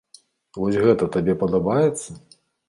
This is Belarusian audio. Вось гэта табе падабаецца?